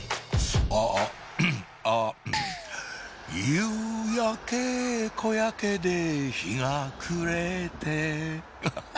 夕焼け小焼けで日が暮れてハハハ！